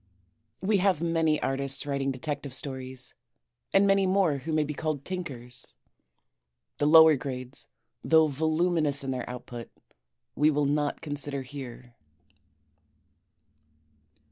We have many Artists writing FINAL ADVICES 317 detective stories, and many more who may be called Tinkers. The lower grades, though voluminous their output, we will not consider here.